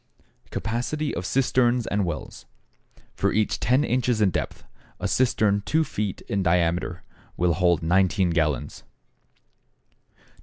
=Capacity of Cisterns or Wells.= For each ten inches in depth, a cistern 2 feet in diameter will hold 19 gallons; 2 1/2 ft.